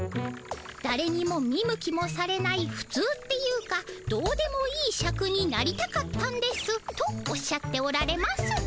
だれにも見向きもされないふつうっていうかどうでもいいシャクになりたかったんです」とおっしゃっておられます。